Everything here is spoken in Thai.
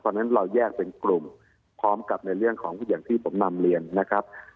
เพราะฉะนั้นเราแยกเป็นกลุ่มพร้อมกับในเรื่องของอย่างที่ผมนำเรียนนะครับ